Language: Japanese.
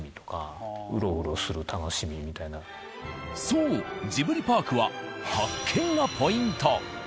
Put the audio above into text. そうジブリパークは「発見」がポイント。